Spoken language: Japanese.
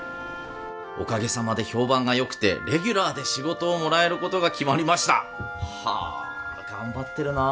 「おかげさまで評判がよくて」「レギュラーで仕事をもらえることが決まりました」はあ頑張ってるなあ